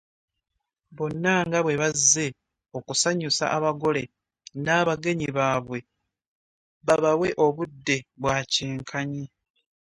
Bonna nga bwe bazze okusanyusa abagole n’abagenyi baabwe babawe obudde bwa kyenkanyi.